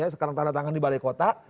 sekarang tanda tangan di balai kota